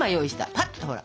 パッとほら！